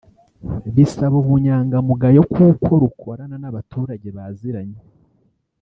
bisaba ubunyangamugayo kuko rukorana n’abaturage baziranye